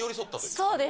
そうです。